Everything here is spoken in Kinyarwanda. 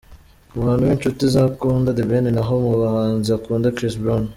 Mu bantu b’inshuti ze akunda The Ben naho mu bahanzi akunda Chris Brown.